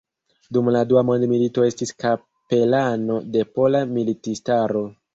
Dum la dua mondmilito estis kapelano de Pola Militistaro.